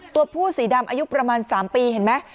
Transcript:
ตัวผู้สีดำอายุประมาณ๓ปีเห็นไหม